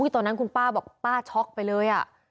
ตอนนั้นคุณป้าบอกป้าช็อกไปเลย